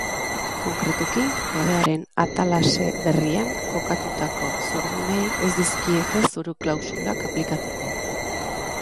Konkretuki, kodearen atalase berrian kokatutako zordunei ez dizkiete zoru-klausulak aplikatuko.